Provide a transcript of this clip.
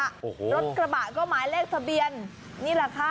โอ้โหรถกระบะก็หมายเลขทะเบียนนี่แหละค่ะ